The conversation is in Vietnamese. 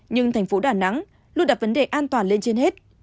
nhưng thành phố đà nẵng luôn đặt vấn đề an toàn lên trên hết